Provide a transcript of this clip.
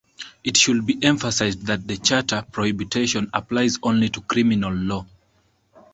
It should be emphasized that the Charter prohibition applies only to criminal law.